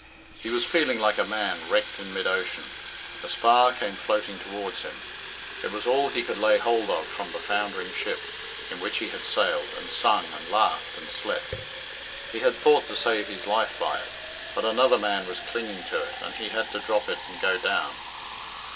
He was feeling like a man wrecked in mid ocean. A spar came floating towards him. It was all he could lay hold of from the foundering ship, in which he had sailed, and sung, and laughed, and slept. He had thought to save his life by it, but another man was clinging to it, and he had to drop it and go down.